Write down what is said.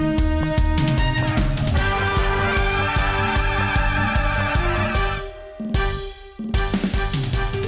โปรดติดตามตอนต่อไป